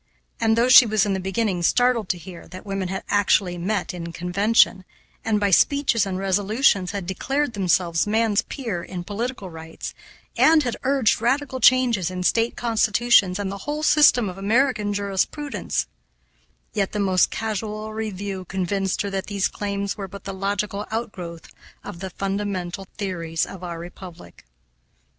And, though she was in the beginning startled to hear that women had actually met in convention, and by speeches and resolutions had declared themselves man's peer in political rights, and had urged radical changes in State constitutions and the whole system of American jurisprudence; yet the most casual review convinced her that these claims were but the logical outgrowth of the fundamental theories of our republic.